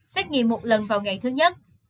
xét nghiệm một lần vào ngày thứ nhất